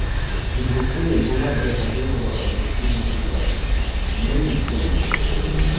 Під рукою була бригадирова однокінна бідарка - нею й поїхав.